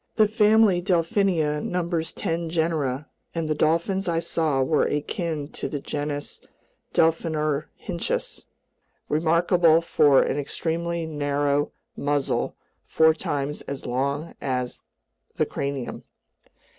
The family Delphinia numbers ten genera, and the dolphins I saw were akin to the genus Delphinorhynchus, remarkable for an extremely narrow muzzle four times as long as the cranium.